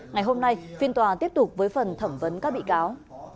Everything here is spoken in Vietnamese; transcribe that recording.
ngày hôm nay phiên tòa tiếp tục với phần thẩm vấn các bị cáo